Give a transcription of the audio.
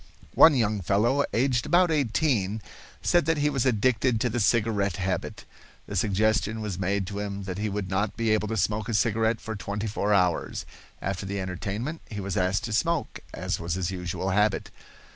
One young fellow, aged about eighteen, said that he was addicted to the cigarette habit. The suggestion was made to him that he would not be able to smoke a cigarette for twenty four hours. After the entertainment he was asked to smoke, as was his usual habit.